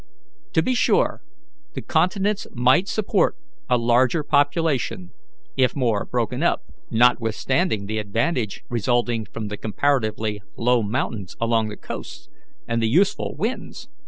To be sure, the continents might support a larger population, if more broken up, notwithstanding the advantage resulting from the comparatively low mountains along the coasts, and the useful winds.